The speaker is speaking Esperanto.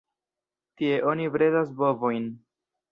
Tie oni bredas bovojn.